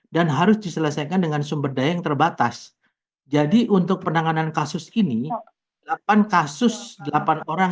harus diselesaikan dengan sumber daya yang terbatas jadi untuk penanganan kasus ini delapan kasus delapan orang